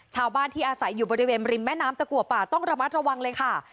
ชาวบ้านที่อาศัยอยู่บริเวณริมแม่น้ำตะกัวป่าต้องระมัดระวังเลยค่ะ